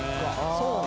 そうね」